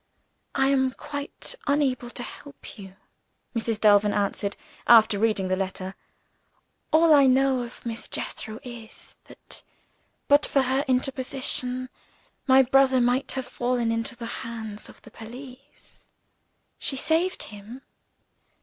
"I am quite unable to help you," Mrs. Delvin answered, after reading the letter. "All I know of Miss Jethro is that, but for her interposition, my brother might have fallen into the hands of the police. She saved him."